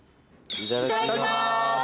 いただきます！